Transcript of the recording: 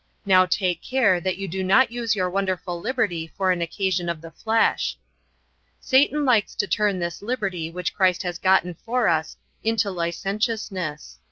Now take care that you do not use your wonderful liberty for an occasion of the flesh." Satan likes to turn this liberty which Christ has gotten for us into licentiousness.